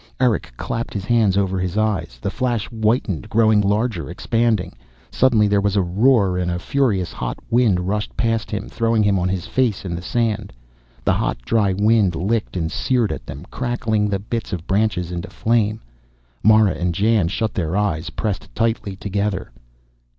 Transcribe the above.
Erick clapped his hands over his eyes. The flash whitened, growing larger, expanding. Suddenly there was a roar, and a furious hot wind rushed past him, throwing him on his face in the sand. The hot dry wind licked and seared at them, crackling the bits of branches into flame. Mara and Jan shut their eyes, pressed tightly together.